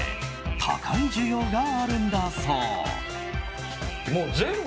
高い需要があるんだそう。